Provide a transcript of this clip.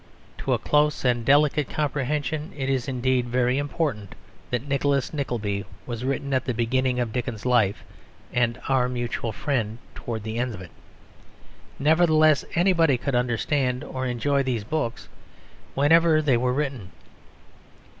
To a close and delicate comprehension it is indeed very important that Nicholas Nickleby was written at the beginning of Dickens's life, and Our Mutual Friend towards the end of it. Nevertheless anybody could understand or enjoy these books, whenever they were written.